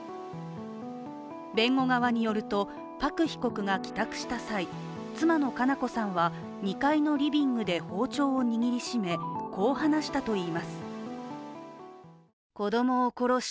弁護側によると、パク被告が帰宅した際妻の佳菜子さんは２階のリビングで包丁を握りしめこう話したといいます。